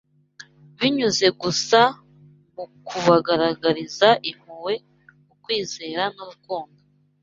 binyuze gusa mu kubagaragariza impuhwe, ukwizera n’urukundo